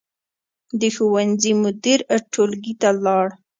د ښوونځي مدیر ټولګي ته لاړ.